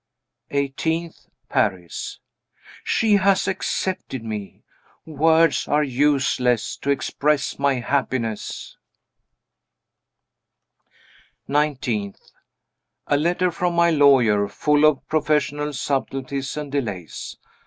18th, Paris. She has accepted me! Words are useless to express my happiness. 19th. A letter from my lawyer, full of professional subtleties and delays.